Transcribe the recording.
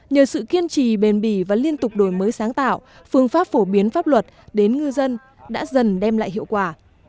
nhờ sự kiên trì bền bỉ và liên tục đổi mới sáng tạo phương pháp phổ biến pháp luật đến ngư dân đã dần đem lại hiệu quả